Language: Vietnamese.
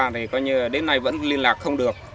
thì đến nay vẫn liên lạc không được